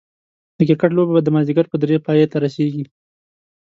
د کرکټ لوبه به دا ماځيګر په دري پايي ته رسيږي